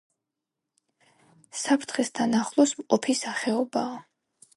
საფრთხესთან ახლოს მყოფი სახეობაა.